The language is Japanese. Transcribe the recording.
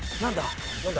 何だ？